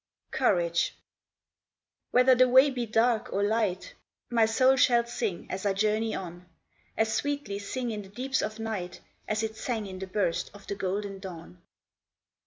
COURAGE Whether the way be dark or light My soul shall sing as I journey on, As sweetly sing in the deeps of night As it sang in the burst of the golden dawn.